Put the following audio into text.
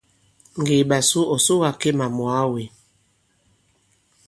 Ŋgè i ɓasu ɔ̀ soga Kemà mwàa wē.